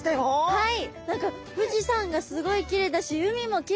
はい！